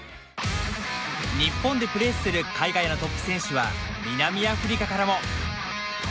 日本でプレーする海外のトップ選手は南アフリカからも。